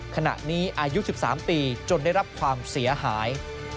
ขณะนี้อายุ๑๓ปีจนได้รับความเสียหาย